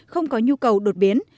không có nhu cầu đột biến